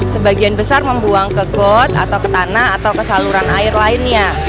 sebagian besar membuang ke got atau ke tanah atau ke saluran air lainnya